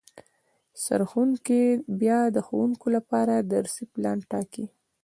سرښوونکی بیا د ښوونکو لپاره درسي پلان ټاکي